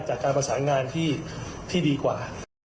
จากการประสานงานที่ดีกว่า